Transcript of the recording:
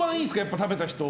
食べた人は。